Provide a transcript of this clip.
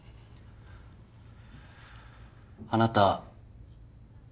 あなた。